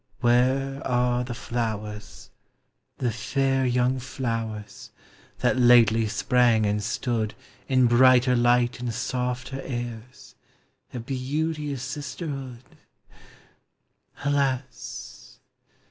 Where are the flowers, the fair young flowers, that lately sprang and stood In brighter light and softer airs, a beauteous sis terhood ? Alas